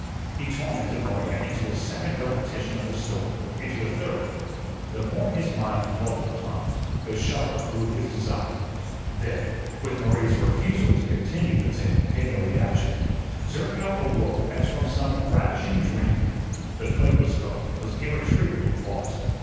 He tormented Maria into a second repetition of the story into a third. The more his mind dwelt upon it, the sharper grew his desire. Then, with Maria's refusal to continue the tale, came the reaction. Zerkow awoke as from some ravishing dream. The plate was gone, was irretrievably lost.